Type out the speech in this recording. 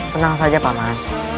tenang saja paman